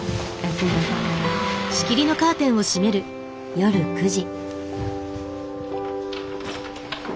夜９時。